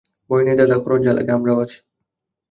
ভয় নেই দাদা, খরচ যা লাগে আমরাও আছি।